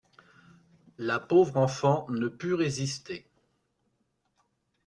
La pauvre enfant ne put résister.